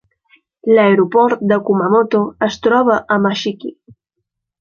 L'aeroport de Kumamoto es troba a Mashiki.